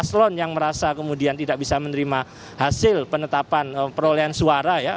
paslon yang merasa kemudian tidak bisa menerima hasil penetapan perolehan suara ya